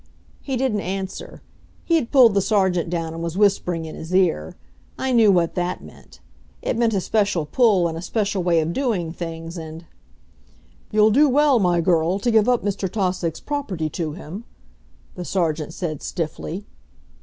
He didn't answer. He had pulled the Sergeant down and was whispering in his ear. I knew what that meant. It meant a special pull and a special way of doing things and "You'll do well, my girl, to give up Mr. Tausig's property to him," the Sergeant said stiffly.